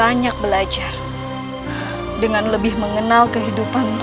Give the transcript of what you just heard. apakah mereka orang suruhanan gabuasa